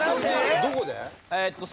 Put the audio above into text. どこで？